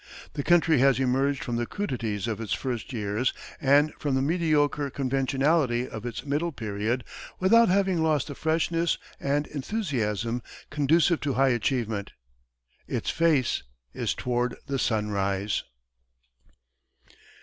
The country has emerged from the crudities of its first years, and from the mediocre conventionality of its middle period, without having lost the freshness and enthusiasm conducive to high achievement. Its face is toward the sunrise.